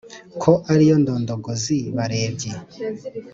Ko ari yo ndondogoza-barebyi!"